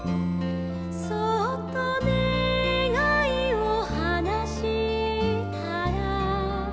「そっとねがいをはなしたら」